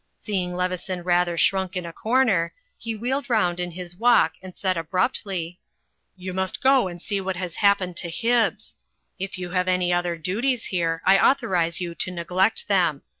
Seeing Leveson rather shrunk in a comer, he wheeled round in his walk and said abruptly: "You must go and see what has happened to Hibbs. If you have any other duties here, I authorize you to neglect them.